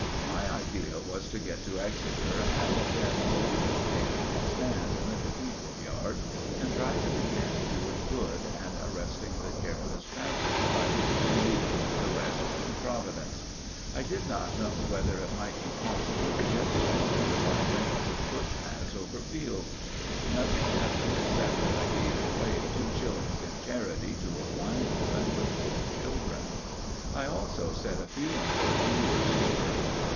My idea was to get to Exeter and then boldly take my stand in the cathedral yard and try to begin doing good and arresting the careless passer by, and leaving the rest to Providence. I did not know whether it might be possible to get to Exeter by lanes and footpaths over fields. Nothing happened except that I gave away two shillings in charity to a blind woman with four children. I also said a few encouraging words to her.